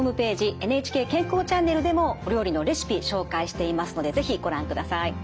ＮＨＫ健康チャンネルでもお料理のレシピ紹介していますので是非ご覧ください。